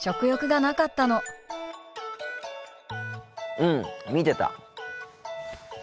うん見てた。